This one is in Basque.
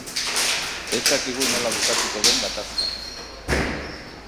Ez dakigu nola bukatuko den gatazka